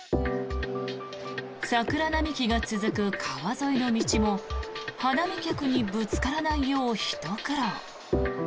桜並木が続く川沿いの道も花見客にぶつからないようひと苦労。